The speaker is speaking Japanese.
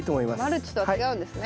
マルチとは違うんですね。